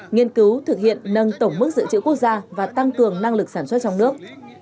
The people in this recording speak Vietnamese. nghiên cứu thực hiện nâng tổng mức dự trữ quốc gia và tăng cường năng lực sản xuất trong nước